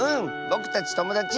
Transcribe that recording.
ぼくたちともだち！